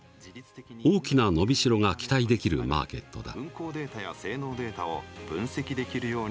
大きな伸びしろが期待できるマーケットだ。